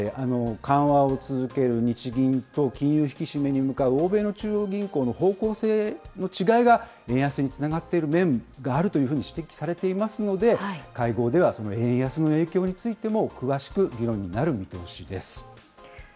緩和を続ける日銀と、金融引き締めに向かう欧米の中央銀行の方向性の違いが円安につながっている面があるというふうに指摘されていますので、会合ではその円安の影響についても詳しく議論になる見通しです。